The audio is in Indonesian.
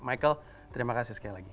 michael terima kasih sekali lagi